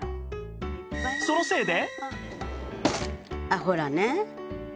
そのせいで